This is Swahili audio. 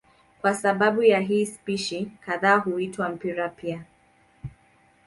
Kwa sababu ya hii spishi kadhaa huitwa mpira pia.